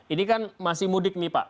ini kan masih mudik nih pak